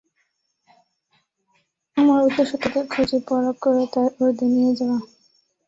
আমার উদ্দেশ্য তাদের খুঁজে, পরখ করে, তার ঊর্ধ্বে নিয়ে যাওয়া।